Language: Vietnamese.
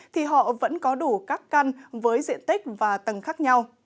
thì họ vẫn có đủ các căn với diện tích và tầng khác nhau